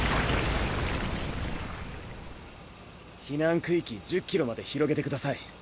避難区域１０キロまで広げてください。